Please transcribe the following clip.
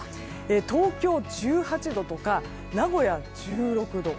東京、１８度とか名古屋、１６度。